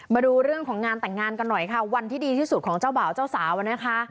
มาดูเรื่องของงานแต่งงานกันหน่อยค่ะวันที่ดีที่สุดของเจ้าบ่าวเจ้าสาวนะคะ